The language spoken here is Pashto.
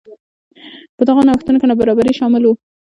په دغو نوښتونو کې نابرابري شامل وو.